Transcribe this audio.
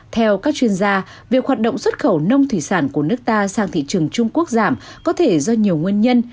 theo các chuyên gia việc hoạt động xuất khẩu nông thủy sản của nước ta sang thị trường trung quốc giảm có thể do nhiều nguyên nhân